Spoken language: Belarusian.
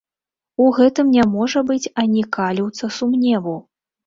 У гэтым не можа быць ані каліўца сумневу.